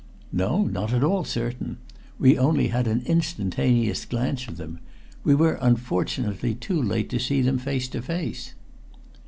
"No, not at all certain. We only had an instantaneous glance of them. We were unfortunately too late to see them face to face."